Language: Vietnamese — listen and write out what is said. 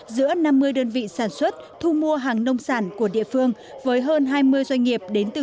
giữa năm mươi đơn vị sản xuất thu mua hàng nông sản của địa phương với hơn hai mươi doanh nghiệp đến từ